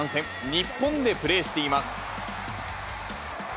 日本でプレーしています。